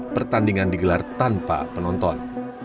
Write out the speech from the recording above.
pertandingan digelar tanpa penonton